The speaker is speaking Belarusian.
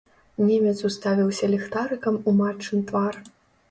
Немец уставіўся ліхтарыкам у матчын твар.